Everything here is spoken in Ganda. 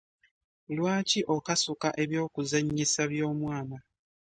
Lwaki okasuka eby'okuzanyisa by'omwana?